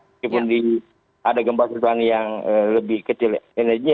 meskipun ada gempa susulan yang lebih kecil energinya